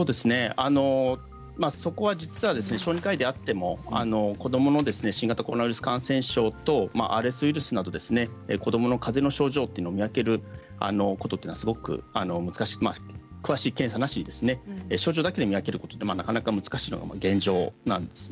そこは実は小児科医であっても子どもの新型コロナウイルス感染症とＲＳウイルスなど子どものかぜ症状を見分けることはすごく難しく詳しい検査なしで症状だけで見分けるのはなかなか難しいのが現状です。